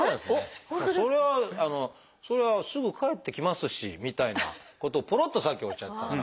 「それはすぐ返ってきますし」みたいなことをぽろっとさっきおっしゃってたから。